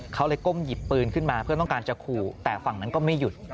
เขาเลยก้มหยิบปืนขึ้นมาเพื่อต้องการจะขู่แต่ฝั่งนั้นก็ไม่หยุด